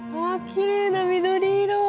きれいな緑色。